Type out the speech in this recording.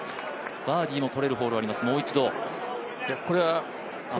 バーディーも取れるホールがあります。